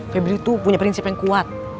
febri itu punya prinsip yang kuat